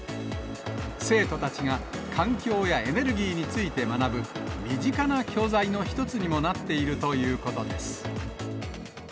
生徒たちが環境やエネルギーについて学ぶ、身近な教材の一つにもなっているということです。